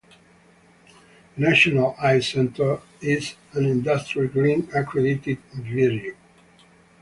The National Ice Centre is an Industry Green accredited venue.